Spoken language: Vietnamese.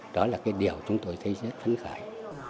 đó là cái điều chúng tôi thấy rất phấn khởi